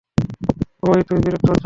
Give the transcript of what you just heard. এই, তুমি বিরক্ত হচ্ছ না তো?